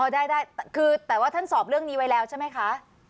ได้คือแต่ว่าท่านสอบเรื่องนี้ไว้แล้วใช่ไหมคะ